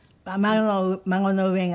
孫の上が？